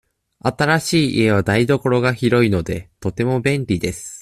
新しい家は台所が広いので、とても便利です。